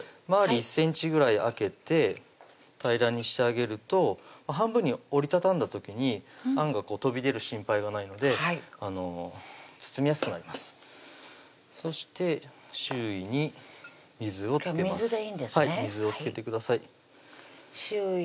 １ｃｍぐらい空けて平らにしてあげると半分に折り畳んだ時にあんが飛び出る心配がないので包みやすくなりますそして周囲に水を付けます水でいいんですね